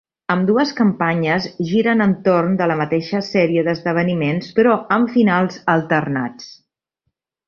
Ambdues campanyes giren entorn de la mateixa sèrie d'esdeveniments, però amb finals alternats.